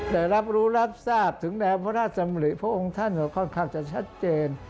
ได้รับรู้รับทราบถึงแนวพระราชดำริพระองค์ท่านก็ค่อนข้างจะชัดเจน